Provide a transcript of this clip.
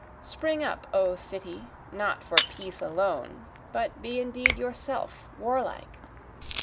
Spring up O city not for peace alone, but be indeed yourself, warlike!